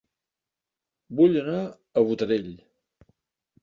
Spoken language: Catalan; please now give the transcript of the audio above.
Vull anar a Botarell